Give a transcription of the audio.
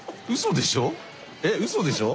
うそでしょ？